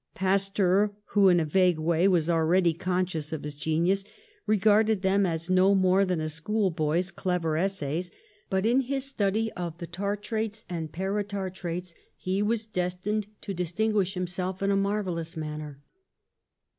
Pasteur, who in a vague way was already conscious of his genius, regarded them as no more than a schoolboy's clever essays, but in his study of the tartrates and paratartrates he was destined to distinguish himself in a mar vellous manner.